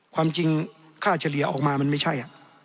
ความจริงค่าเฉลี่ยออกมามันไม่ใช่